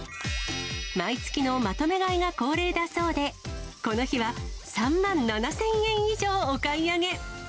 毎月のまとめ買いが恒例だそうで、この日は３万７０００円以上お買い上げ。